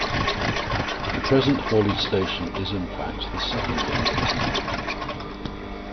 The present Horley station is in fact the second in the town.